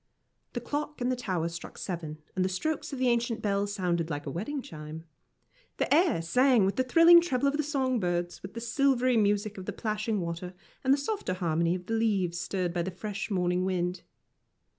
The clock in the tower struck seven, and the strokes of the ancient bell sounded like a wedding chime. The air sang with the thrilling treble of the song birds, with the silvery music of the plashing water, and the softer harmony of the leaves stirred by the fresh morning wind.